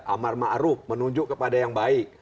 amal ma'ruf menunjuk kepada yang baik